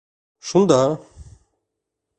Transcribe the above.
Шунда!